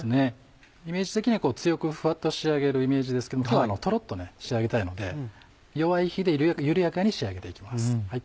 イメージ的には強くふわっと仕上げるイメージですけども今日はとろっと仕上げたいので弱い火で緩やかに仕上げて行きます。